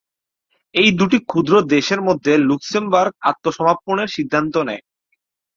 এই দুটি ক্ষুদ্র দেশের মধ্যে লুক্সেমবার্গ আত্মসমর্পণের সিদ্ধান্ত নেয়।